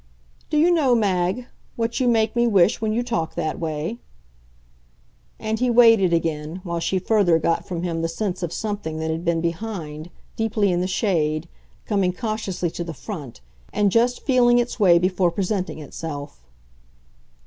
"Do you know, Mag, what you make me wish when you talk that way?" And he waited again, while she further got from him the sense of something that had been behind, deeply in the shade, coming cautiously to the front and just feeling its way before presenting itself.